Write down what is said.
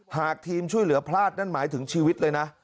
หากทีมช่วยเหลือพลาดนั่นหมายถึงชีวิตเลยนะ